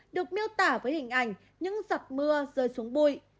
được miêu tả với hình ảnh những giọt mưa rơi xuống bụi